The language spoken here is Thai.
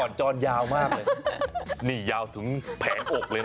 แต่ก่อนจรไงยาวมากเลยทุกทุกอีกนี่ยาวถึงแผงอกเลย